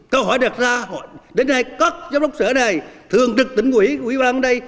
câu hỏi đặt ra đến nay các giám đốc sở này thường trực tỉnh quỹ quỹ ban ở đây